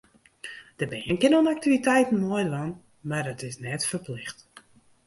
De bern kinne oan aktiviteiten meidwaan, mar it is net ferplicht.